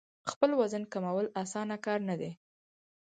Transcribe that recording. خپل وزن کمول اسانه کار نه دی.